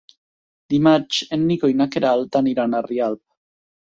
Dimarts en Nico i na Queralt aniran a Rialp.